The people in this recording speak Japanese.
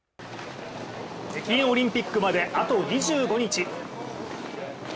北京オリンピックまであと２５日。